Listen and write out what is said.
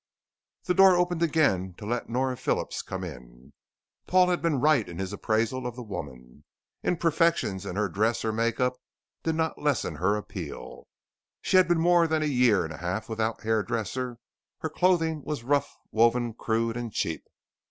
The door opened again to let Nora Phillips come in. Paul had been right in his appraisal of the woman. Imperfections in her dress or make up did not lessen her appeal. She had been more than a year and a half without a hairdresser, her clothing was rough woven crude and cheap.